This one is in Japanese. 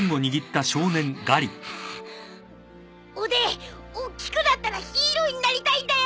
おで大きくなったらヒーローになりたいんだよ。